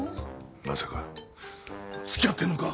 まさか付き合ってんのか！？